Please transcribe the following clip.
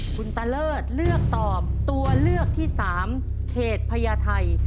คุณตาเลิศเลือกตอบตัวเลือกที่๓เขตพญาไทย